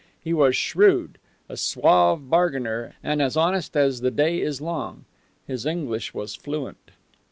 He was shrewd, a suave bargainer, and as honest as the day is long. His English was fluent.